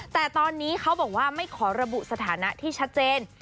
แต่ตอนนี้เขาบอกว่าไม่ขอระบุสถานะที่ชัดเจน